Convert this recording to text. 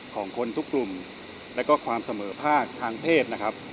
ของคนทุกกลุ่มและก็ความเสมอภาคทางเพศนะครับ